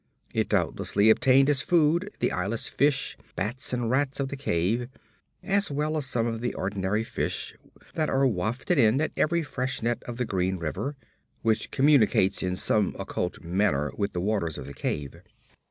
It doubtless obtained as food the eyeless fish, bats and rats of the cave, as well as some of the ordinary fish that are wafted in at every freshet of Green River, which communicates in some occult manner with the waters of the cave.